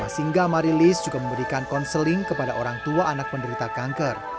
singga marilis juga memberikan konseling kepada orang tua anak penderita kanker